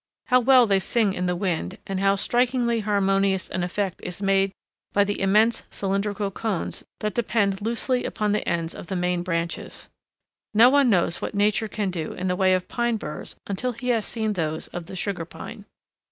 How well they sing in the wind, and how strikingly harmonious an effect is made by the immense cylindrical cones that depend loosely from the ends of the main branches! No one knows what Nature can do in the way of pine burs until he has seen those of the Sugar Pine.